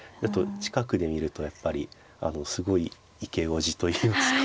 近くで見るとやっぱりすごいイケおじといいますか。